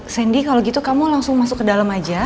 sandy kalau gitu kamu langsung masuk ke dalam aja